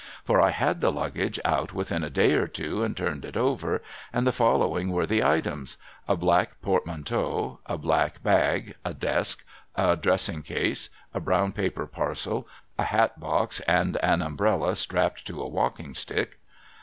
For I had the Luggage out within a day or two and turned it over, and the following were the items :— A black portmanteau, a black bag, a desk, a dressing case, a brown paper parcel, a hat box, and an umbrella strapped to a walking stick.